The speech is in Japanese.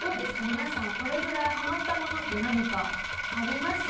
皆さんこれぐらいハマったものって何かあります？